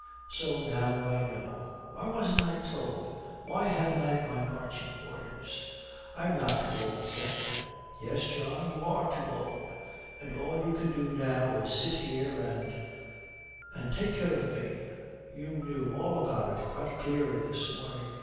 So now I know! Why wasn't I told? Why haven't I my marching orders? I'm not too old yet.' 'Yes, John, you are too old, and all you can do now is to sit here and and take care of me. You knew all about it quite clearly this morning.